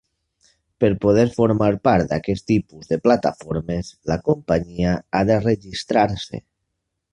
Per poder formar part d'aquest tipus de plataformes, la companyia ha de registrar-se.